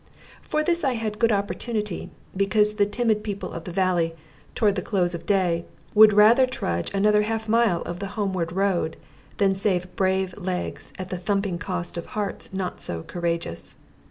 For this I had good opportunity, because the timid people of the valley, toward the close of day, would rather trudge another half mile of the homeward road than save brave legs at the thumping cost of hearts not so courageous.